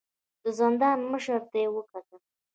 د زندان مشر ته يې وکتل.